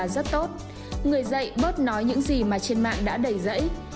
dạy bớt nói những gì mà trên mạng đã đẩy dẫy